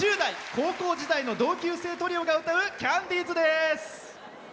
高校時代の同級生トリオが歌うキャンディーズです。